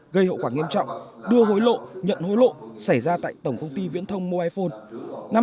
gây hậu quả nghiêm trọng đưa hối lộ nhận hối lộ xảy ra tại tổng công ty viễn thông mobile phone